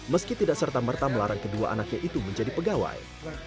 meski tidak serta merta melarang kedua anaknya itu menjadi pegawai